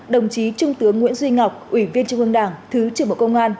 đồng chí trung tướng nguyễn duy ngọc ủy viên trung ương đảng thứ trưởng bộ công an